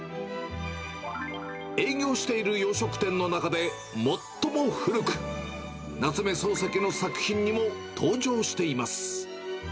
営業している洋食店の中で最も古く、夏目漱石の作品にも登場しています。